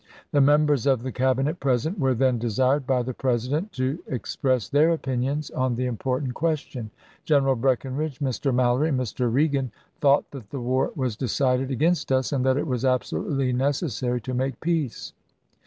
The members of the Cabinet present were then desired by the President to express their opinions on the important question. General Breckinridge, Mr. Mallory, and Mr. Reagan thought that the war was decided against us, and that it was absolutely necessary to make peace.